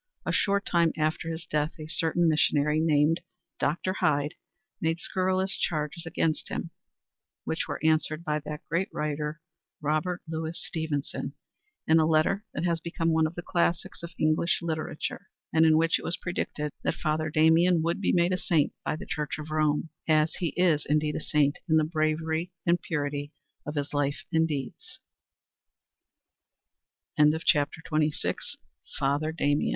A short time after his death a certain missionary named Dr. Hyde made scurrilous charges against him which were answered by that great writer, Robert Louis Stevenson, in a letter that has become one of the classics of English literature, and in which it was predicted that Father Damien would be made a saint by the Church of Rome, as he is indeed a saint in the bravery and purity of his life and his deeds. CHAPTER XXVII CATHERINE BRESHKOVSKY In the